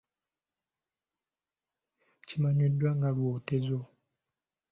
Kimanyiddwa nga lwotezo.